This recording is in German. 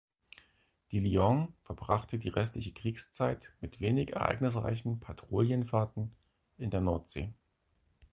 Die "Lion" verbrachte die restliche Kriegszeit mit wenig ereignisreichen Patrouillenfahrten in der Nordsee.